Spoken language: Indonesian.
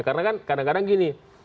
karena kan kadang kadang gini